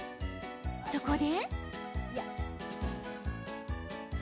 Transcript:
そこで。